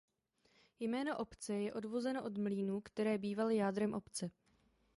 Jméno obce je odvozeno od mlýnů které bývaly jádrem obce.